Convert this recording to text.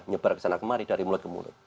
nyebar ke sana kemari dari mulut ke mulut